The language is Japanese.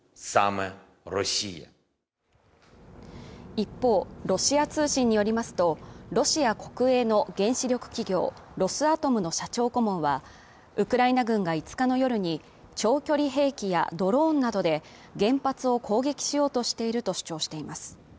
一方、ロシア通信によりますと、ロシア国営の原子力企業ロスアトムの社長顧問はウクライナ軍が５日の夜に長距離兵器やドローンなどで原発を攻撃しようとしていると主張しています。